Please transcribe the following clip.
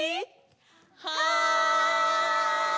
はい！